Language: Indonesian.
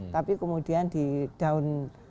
tapi kemudian didown